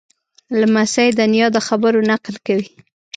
لمسی د نیا د خبرو نقل کوي.